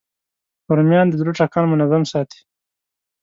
رومیان د زړه ټکان منظم ساتي